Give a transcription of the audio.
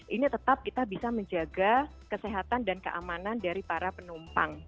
ini tetap kita bisa menjaga kesehatan dan keamanan dari para penumpang